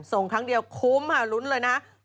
ส่งครั้งเดียวคุ้มหลุ้นเลยนะฮะ